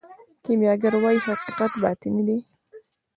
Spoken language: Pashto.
کیمیاګر وايي حقیقت باطني دی.